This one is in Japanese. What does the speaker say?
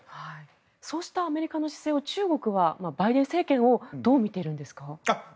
そうしたアメリカの姿勢を中国はバイデン政権をどう見ているんですか？